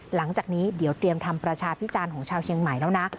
หลังจากนี้เดี๋ยวเตรียมทำประชาพิจารณ์ของชาวเชียงใหม่แล้วนะ